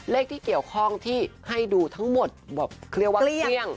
เลขที่เกี่ยวข้องที่ให้ดูทั้งหมดเหลือว่าเครียง